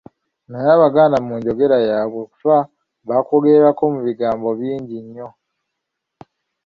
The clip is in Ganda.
Naye Abaganda mu njogera yaabwe, okufa bakwogererako mu bigambo bingi nnyo.